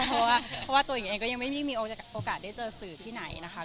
เพราะว่าตัวหญิงเองก็ยังไม่มีโอกาสได้เจอสื่อที่ไหนนะคะ